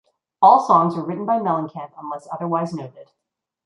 All songs were written by Mellencamp unless otherwise noted.